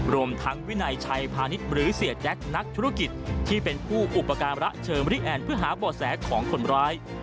รวมทั้งวินัยชัยพาณิชย์หรือเสียแจ๊คนักธุรกิจที่เป็นผู้อุปการะเชิงบริแอนดเพื่อหาบ่อแสของคนร้าย